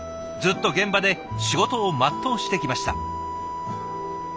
ずっと現場で仕事を全うしてきました。